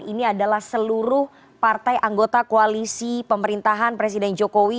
ini adalah seluruh partai anggota koalisi pemerintahan presiden jokowi